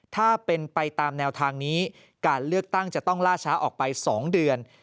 ถ้าเป็นไปตามแนวทางนี้การเลือกตั้งจะต้องล่าช้าออกไป๒เดือน